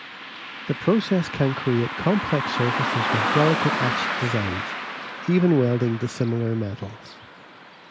The process can create complex surfaces with delicate etched designs, even welding dissimilar metals.